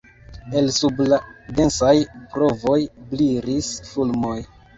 El sub la densaj brovoj brilis fulmoj.